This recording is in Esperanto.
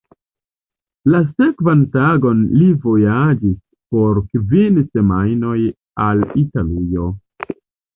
La sekvan tagon li vojaĝis por kvin semajnoj al Italujo.